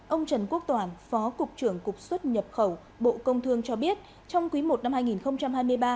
ông trần quốc toàn phó cục trưởng cục xuất nhập khẩu bộ công thương cho biết trong quý i năm hai nghìn hai mươi ba